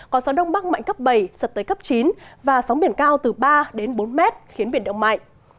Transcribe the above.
có gió đông bắc mạnh cấp bảy giật tới cấp chín và sóng biển cao từ ba đến bốn mét khiến biển động mạnh